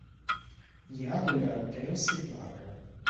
Я гуляю ў тэніс і плаваю.